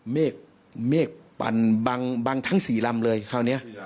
เมฆปันบังทั้งสี่รำเลยคราวนี้